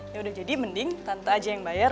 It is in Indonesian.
yaudah jadi mending tante aja yang bayar